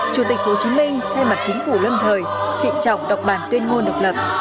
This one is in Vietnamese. chủ tịch hồ chí minh thay mặt chính phủ lâm thời trịnh trọng đọc bản tuyên ngôn độc lập